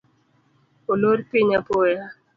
Olor piny apoya